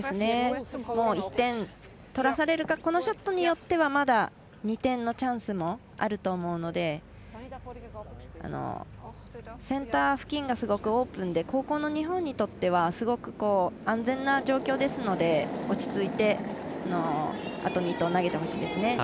もう、１点取らされるかこのショットによってはまだ２点のチャンスもあると思うのでセンター付近がすごくオープンで後攻の日本にとってはすごく安全な状況ですので落ち着いて、あと２投投げてほしいですね。